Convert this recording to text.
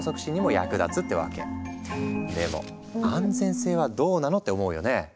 でも「安全性はどうなの？」って思うよね？